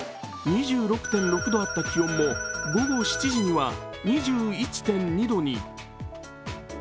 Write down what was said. ２６．６度あった気温も午後７時には２１．２度に。